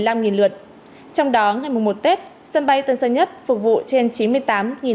trong đó ngày mùng một tết sân bay tân sơn nhất phục vụ trên